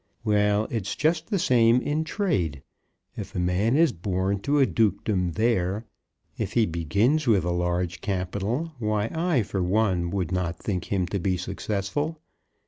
Well; it's just the same in trade. If a man is born to a dukedom there, if he begins with a large capital, why, I for one would not thank him to be successful.